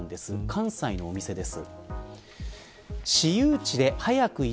関西のお店です。